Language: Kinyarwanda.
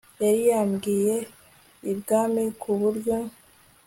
yari yabwiye ibwami ku buryo